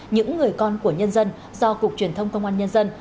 những người con của nhân dân do cục truyền thông công an nhân dân